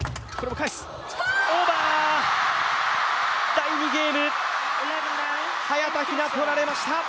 第２ゲーム、早田ひな、取られました